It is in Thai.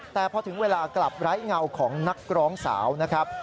แต่พอถึงเวลากลับไร้เงาของนักร้องสาวนะครับ